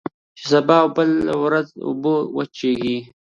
چي سبا او بله ورځ اوبه وچیږي